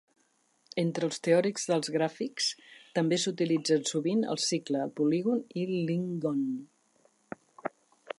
Entre els teòrics dels gràfics, també s'utilitzen sovint el cicle, el polígon o l'n-gon.